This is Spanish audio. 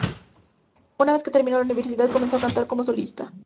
Una vez que terminó la universidad, comenzó a cantar como solista.